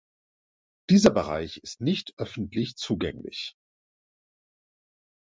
Dieser Bereich ist nicht öffentlich zugänglich.